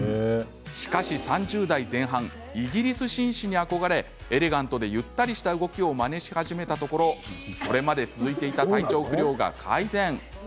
しかし、３０代前半イギリス紳士に憧れエレガントでゆったりした動きをまねし始めたところそれまで続いていた体調不良が改善。